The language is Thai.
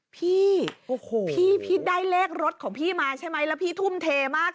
พี่พี่ได้เลขรถของพี่มาใช่ไหมแล้วพี่ทุ่มเทมาก